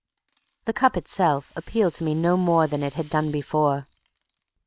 The cup itself appealed to me no more than it had done before.